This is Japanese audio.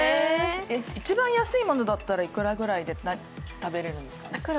一番安いものだったら、いくらぐらいで食べれるんですか。